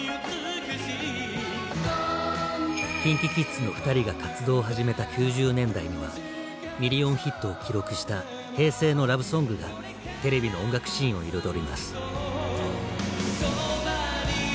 ＫｉｎＫｉＫｉｄｓのふたりが活動を始めた９０年代にはミリオンヒットを記録した「平成のラブソング」がテレビの音楽シーンを彩ります。